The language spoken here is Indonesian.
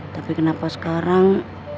tapi kenapa sekarang